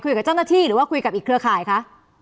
คุยกับเจ้าหน้าที่หรือว่าคุยกับอีกเครือข่ายคะ